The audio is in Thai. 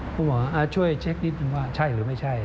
ผมบอกช่วยเช็คนิดให้ดูบอกว่าใช่หรือไม่ใช่